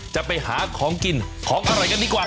จะไปหาของกินของอร่อยกันดีกว่า